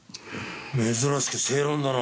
珍しく正論だな。